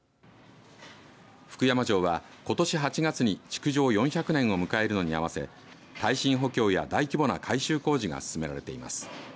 福山城は、ことし８月に築城４００年を迎えるのに合わせ耐震補強や大規模な改修工事が進められています。